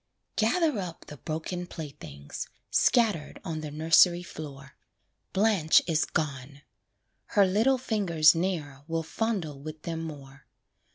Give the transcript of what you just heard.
Gather up the broken playthings, Scattered on the nursery floor; Blanche is gone! her little fingers Ne'er will fondle with them more.